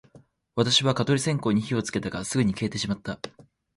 私は蚊取り線香に火をつけたが、すぐに消えてしまった